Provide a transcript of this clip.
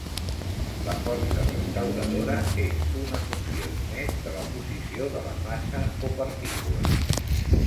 La força restauradora és una funció només de la posició de la massa o partícula.